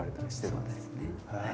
そうですねはい。